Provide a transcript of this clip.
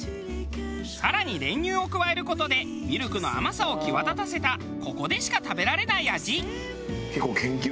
更に練乳を加える事でミルクの甘さを際立たせたここでしか食べられない味。